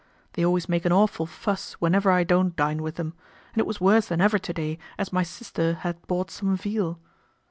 "They always make an awful fuss whenever I don't dine with them, and it was worse than ever to day as my sister had bought some veal."